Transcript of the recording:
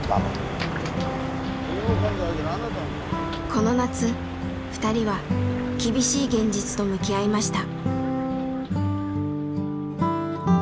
この夏ふたりは厳しい現実と向き合いました。